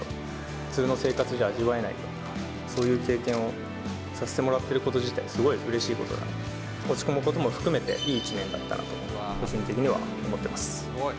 普通の生活じゃ味わえないような、そういう経験をさせてもらってること自体、すごいうれしいことなんで、落ち込むことも含めて、いい一年だったなと個人的には思ってます。